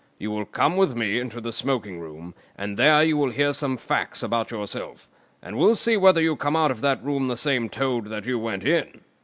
You will come with me into the smoking room, and there you will hear some facts about yourself; and we'll see whether you come out of that room the same Toad that you went in."